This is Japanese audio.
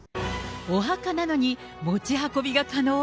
お墓なのに持ち運びが可能？